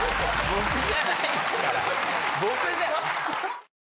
僕じゃ。